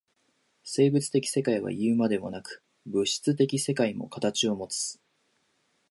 生物的世界はいうまでもなく、物質的世界も形をもつ。